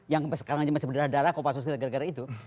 yang sekarang masih berdarah darah kopasus gara gara itu